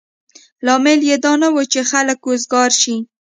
لامل یې دا نه و چې خلک وزګار شي.